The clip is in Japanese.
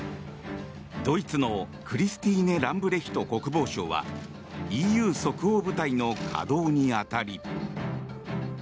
ドイツのクリスティーネ・ランブレヒト国防相はＥＵ即応部隊の稼働に当たり。